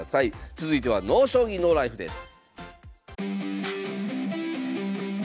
続いては「ＮＯ将棋ＮＯＬＩＦＥ」です。